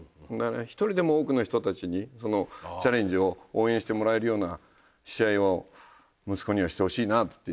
一人でも多くの人たちにそのチャレンジを応援してもらえるような試合を息子にはしてほしいなっていう。